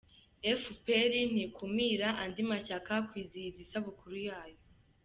Efuperi ntikumira andi mashyaka kwizihiza isabukuru yayo